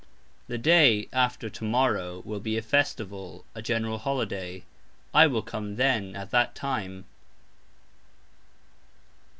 (The day) after to morrow will be a festival (a general holiday); I will come "then" (at that time).